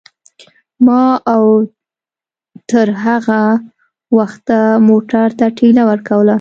ما او تر هغه وخته موټر ته ټېله ورکوله.